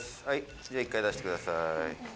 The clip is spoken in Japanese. じゃ一回出してください。